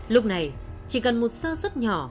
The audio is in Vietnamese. lúc này chỉ cần một sơ xuất nhỏ